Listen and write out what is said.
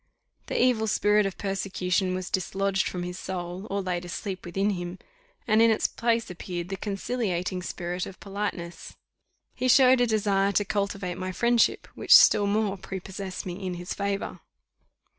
The evil spirit of persecution was dislodged from his soul, or laid asleep within him, and in its place appeared the conciliating spirit of politeness. He showed a desire to cultivate my friendship, which still more prepossessed me in his favour.